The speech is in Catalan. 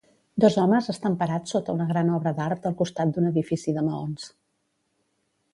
Dos homes estan parats sota una gran obra d'art al costat d'un edifici de maons.